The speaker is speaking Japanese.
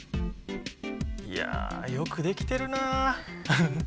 いやよくできてるなあ。